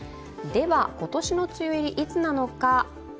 今年の梅雨入りいつなのか。